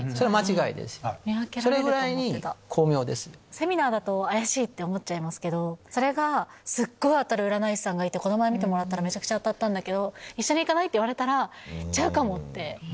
セミナーだと怪しいって思っちゃいますけどそれが「すっごい当たる占い師さんがいてこの前見てもらったらめちゃくちゃ当たったんだけど一緒に行かない？」って言われたら行っちゃうかもって。